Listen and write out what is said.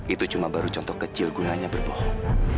itu cuma baru contoh kecil gunanya berbohong